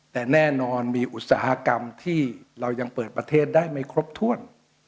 แต่แน่นอนมีอุตสาหกรรมที่เรายังเปิดประเทศได้ไม่ครบถ้วน